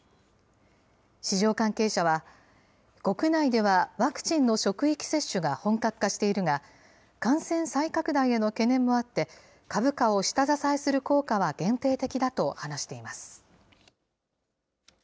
市場関係者は、国内ではワクチンの職域接種が本格化しているが、感染再拡大への懸念もあって、株価を下支えする効果は限定的だと話しています。